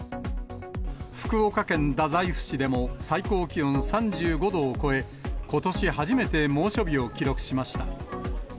福岡県太宰府市でも最高気温３５度を超え、ことし初めて猛暑日を記録しました。